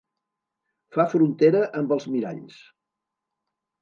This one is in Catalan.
Fa frontera amb els miralls.